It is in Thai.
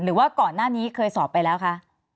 หรือว่าก่อนหน้านี้เคยสอบไปแล้วคะ